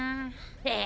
え！？